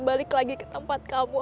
balik lagi ke tempat kamu